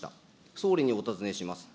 総理にお尋ねいたします。